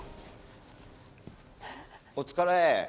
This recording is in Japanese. お疲れ。